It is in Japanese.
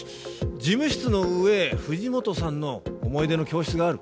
事務室の上藤本さんの思い出の教室がある。